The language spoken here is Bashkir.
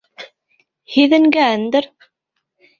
— Һиҙенгә-әнде-ер.